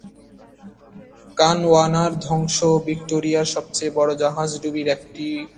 "কানওয়ানা"র ধ্বংস ভিক্টোরিয়ার সবচেয়ে বড় জাহাজডুবির একটি।